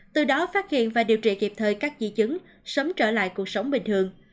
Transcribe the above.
từ đó phát hiện và điều trị kịp thời các di chứng sớm trở lại cuộc sống bình thường